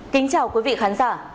kính chào quý vị khán giả